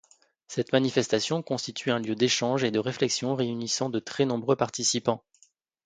Cette manifestation constitue un lieu d’échanges et de réflexion réunissant de très nombreux participants.